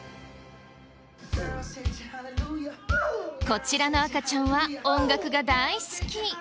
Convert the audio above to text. こちらの赤ちゃんは音楽が大好き。